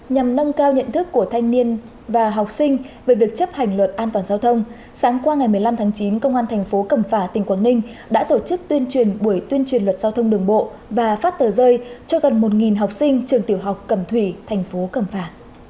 nhằm nâng cao nhận thức của thanh niên và học sinh về việc chấp hành luật an toàn giao thông sáng qua ngày một mươi năm tháng chín công an thành phố cẩm phả tỉnh quảng ninh đã tổ chức tuyên truyền buổi tuyên truyền luật giao thông đường bộ và phát tờ rơi cho gần một học sinh trường tiểu học cẩm thủy thành phố cẩm phả